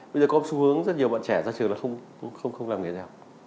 bây giờ có xu hướng rất nhiều bạn trẻ ra trường là không làm nghề theo